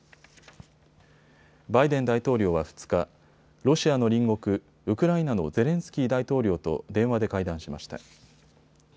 バイデン大統領は２日、ロシアの隣国ウクライナのゼレンスキー大統領と電話で会談しました。